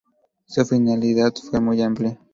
Su finalidad fue muy amplia.